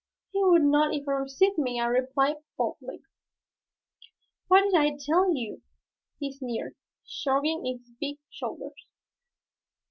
"He would not even receive me," I replied, boldly. "What did I tell you?" he sneered, shrugging his big shoulders.